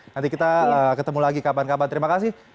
nanti kita ketemu lagi kapan kapan terima kasih